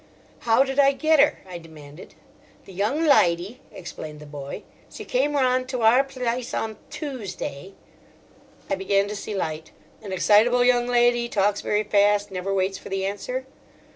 "How did I get her?" I demanded. "The young lydy," explained the boy, "she came rahnd to our plice on Tuesday—" I began to see light. "An excitable young lady—talks very fast—never waits for the answer?"